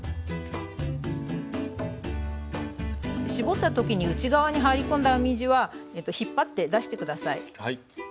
絞った時に内側に入り込んだ編み地は引っ張って出して下さい。